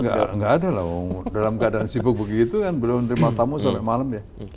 gak ada lah dalam keadaan sibuk begitu kan belum menerima tamu sampai malam ya